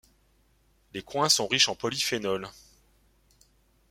Les coings sont riches en polyphénols.